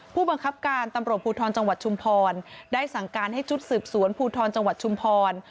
ผู้บังคับการตำรวจภูทรจังหวัดชุมพรได้สั่งการให้ชุดสืบสวนภูทรจังหวัดชุมพร